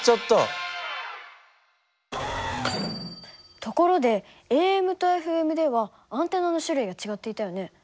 ところでＡＭとＦＭではアンテナの種類が違っていたよね。